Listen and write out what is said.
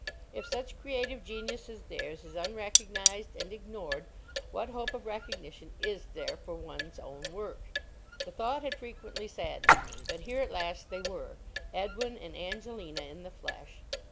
If such creative genius as theirs is unrecognized and ignored, what hope of recognition is there for one's own work?" The thought had frequently saddened me; but here at last they were—Edwin and Angelina in the flesh!